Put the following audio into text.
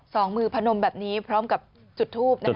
สองมือพนมแบบนี้พร้อมกับจุดทูบ